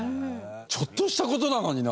ちょっとした事なのにな。